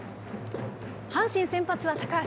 阪神先発は高橋。